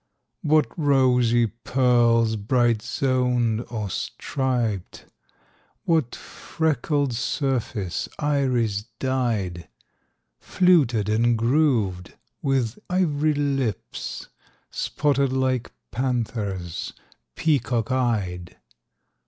What rosy pearls, bright zoned or striped! What freckled surface, iris dyed! Fluted and grooved, with iv'ry lips, Spotted like panthers, peacock eyed!